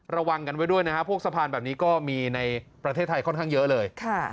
ระวังกันไว้ด้วยนะครับพวกสะพานแบบนี้ก็มีในประเทศไทยค่อนข้างเยอะเลย